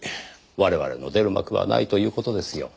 我々の出る幕はないという事ですよ。